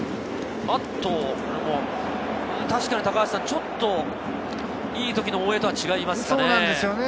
ちょっといいときの大江とは違いますかね？